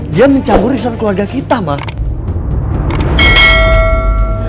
dia mencabur arisan keluarga kita mas